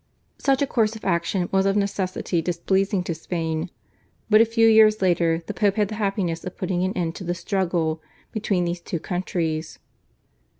Such a course of action was of necessity displeasing to Spain, but a few years later the Pope had the happiness of putting an end to the struggle between these two countries.